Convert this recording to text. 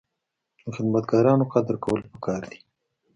د خدمتګارانو قدر کول پکار دي.